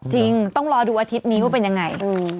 จริงต้องรอดูอาทิตย์นี้ว่าเป็นยังไง